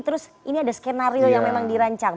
terus ini ada skenario yang memang dirancang